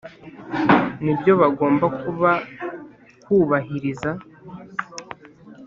nibyo bagomba kuba kubahiriza